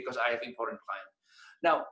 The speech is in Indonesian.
karena saya memiliki klien yang penting